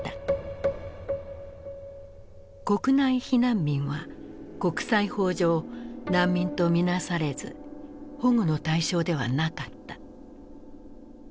「国内避難民」は国際法上難民と見なされず保護の対象ではなかった。